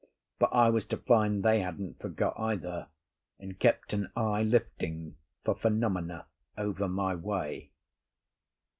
But I was to find they hadn't forgot either, and kept an eye lifting for phenomena over my way.